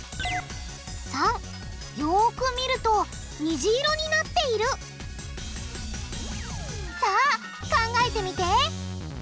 ③よく見るとにじ色になっているさあ考えてみて！